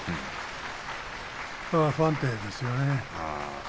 不安定ですよね。